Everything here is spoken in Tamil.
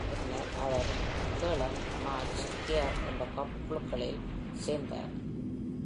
பின்னர் அவர் Harlem, March Hare என்ற பாப் குழுக்களில் சேர்ந்தார்.